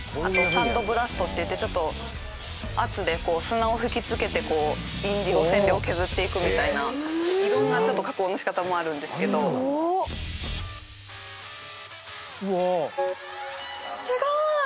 サンドブラストっていってちょっと圧でこう砂を吹き付けてこうインディゴ染料を削っていくみたいな色んな加工の仕方もあるんですけどすごすごーい！